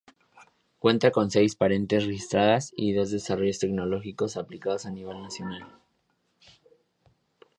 Cuenta con seis patentes registradas y dos desarrollos tecnológicos aplicados a nivel nacional.